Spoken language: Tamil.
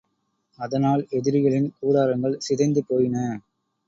அதனால் எதிரிகளின் கூடாரங்கள் சிதைந்து போயின.